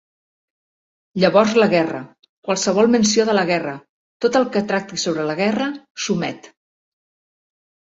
Llavors la guerra, qualsevol menció de la guerra, tot el que tracti sobre la guerra s'omet.